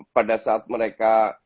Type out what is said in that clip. pada saat mereka